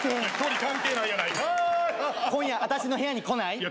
今夜、私の部屋に来ない？